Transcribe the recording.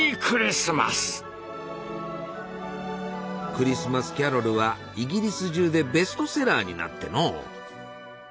「クリスマス・キャロル」はイギリス中でベストセラーになってのう。